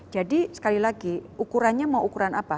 jadi sekali lagi ukurannya mau ukuran apa